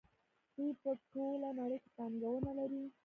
دوی په ټوله نړۍ کې پانګونه کوي.